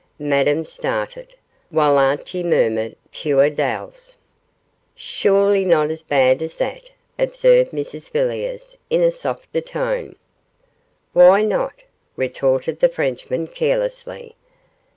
Madame started, while Archie murmured 'Puir deils.' 'Surely not as bad as that?' observed Mrs Villiers, in a softer tone. 'Why not?' retorted the Frenchman, carelessly.